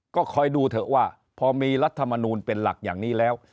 ก็คอยดูเถอะว่าพอมีรัฐมนูลเป็นหลักอย่างนี้แล้ว